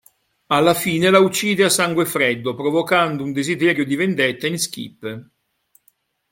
Alla fine la uccide a sangue freddo, provocando un desiderio di vendetta in Skip.